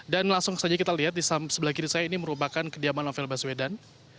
dan langsung saja kita lihat di sebelah kiri saya ini merupakan kediaman novel baswedan